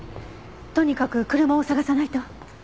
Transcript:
とにかく車を捜さないと。